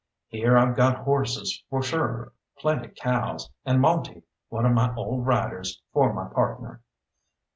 Here I've got horses for sure, plenty cows, and Monte, one of my old riders, for my partner.